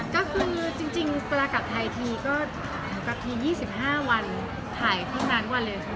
ก็คือจริงเมื่อกลับกลับไทยที๒๕วันถ่ายครั้งนานกว่าเลย